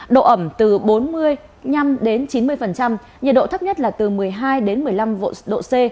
độ ẩm từ bốn mươi năm chín mươi nhiệt độ thấp nhất là từ một mươi hai đến một mươi năm độ c